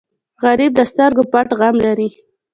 غریب د سترګو پټ غم لري